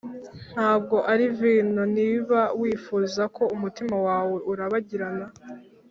ntabwo ari vino. niba wifuza ko umutima wawe urabagirana,